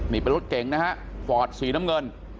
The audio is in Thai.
นี่เป็นรถเก่งนะฮะฟอร์ดสีน้ำเงิน